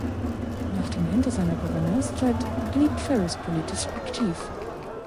Nach dem Ende seiner Gouverneurszeit blieb Ferris politisch aktiv.